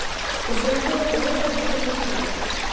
Тэмпература паветра будзе паніжацца.